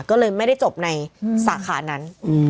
ก็เลยไม่ได้จบในสาขานั้น